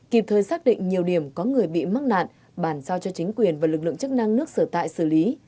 kịp thời xác định nhiều điểm có người bị mắc nạn bản giao cho chính quyền và lực lượng chức năng nước sở tại xử lý